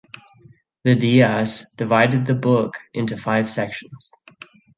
The Dais divided the book into five sections.